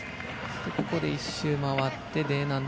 ここで１周回ってＤ難度。